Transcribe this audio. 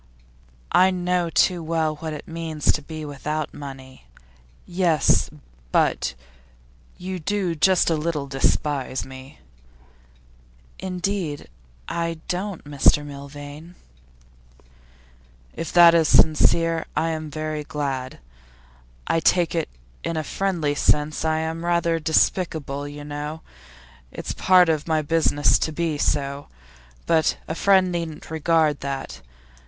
'I know too well what it means to be without money.' 'Yes, but you do just a little despise me?' 'Indeed, I don't, Mr Milvain.' 'If that is sincere, I'm very glad. I take it in a friendly sense. I am rather despicable, you know; it's part of my business to be so. But a friend needn't regard that.